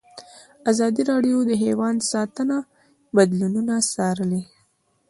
ازادي راډیو د حیوان ساتنه بدلونونه څارلي.